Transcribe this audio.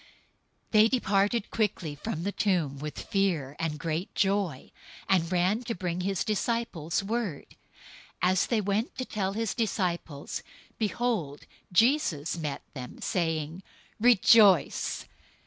028:008 They departed quickly from the tomb with fear and great joy, and ran to bring his disciples word. 028:009 As they went to tell his disciples, behold, Jesus met them, saying, "Rejoice!"